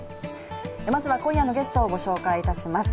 まずは今夜のゲストをご紹介します。